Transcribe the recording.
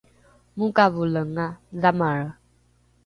mokavolenga dhamare